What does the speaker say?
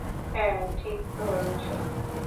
হ্যাঁ, ঠিক ধরেছ!